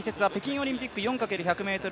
オリンピック４×１００ｍ